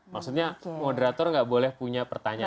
maksudnya moderator nggak boleh punya pertanyaan